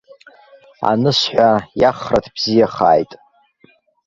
Анысҳәа, иахраҭ бзиахааит.